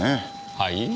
はい？